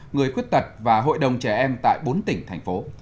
người khuyết tật và hội đồng trẻ em tại bốn tỉnh thành phố